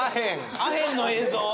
アヘンの映像。